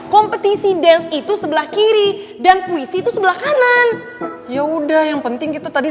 kompetisi dance itu sebelah kiri dan puisi itu sebelah kanan yaudah yang penting kita tadi